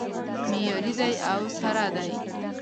معیاري دی او سره دی